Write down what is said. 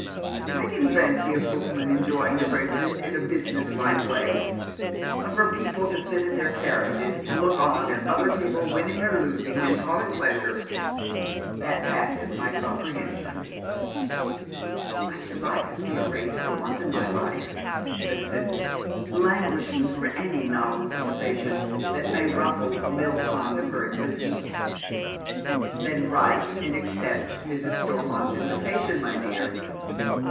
I can fancy a bookman enjoying the races in a business like way ; but for people to sit in their carriages to look on at other people winning or losing, and call it pleasure, that passes my comprehension." " I should like to see a race for once in my life," sajs Sibyl, languishing for any novel sensation that may mffle the mill po.'id of her existence. " Then wxite and accept Mrs. Stormont's invitation, my dear."